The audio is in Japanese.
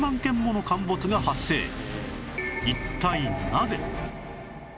一体なぜ？